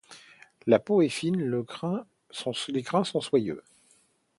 La peau est fine, les crins sont soyeux.